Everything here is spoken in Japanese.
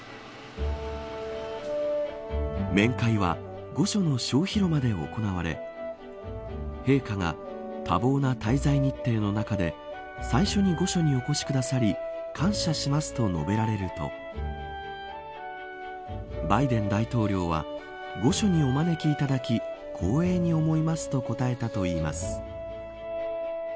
面会は御所の小広間で行われ陛下が多忙な滞在日程の中で最初に御所にお越しくださり感謝しますと述べられるとバイデン大統領は御所にお招きいただき光栄に思いますと答えたといいます。